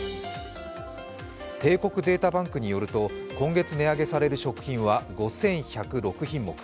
帝国データバンクによると今月値上げされる食品は５１０６品目。